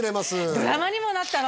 ドラマにもなったの？